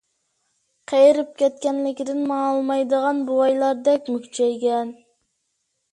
قېرىپ كەتكەنلىكىدىن ماڭالمايدىغان بوۋايلاردەك مۈكچەيگەن.